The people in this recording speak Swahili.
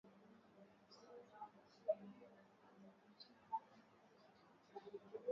Nchi washiriki zavutana nani awe mwenyeji wa benki kuu ya Afrika Mashariki.